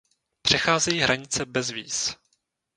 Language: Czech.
Přecházejí hranice bez víz.